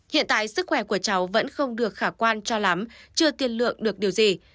hiện tại sức khỏe của cháu vẫn không được khả quan cho lắm chưa tiên lượng được điều gì